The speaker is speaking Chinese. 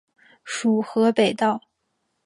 属河北道。